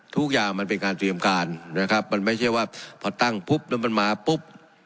ทุกอย่างมันเป็นการเตรียมการนะครับมันไม่ใช่ว่าพอตั้งปุ๊บแล้วมันมาปุ๊บ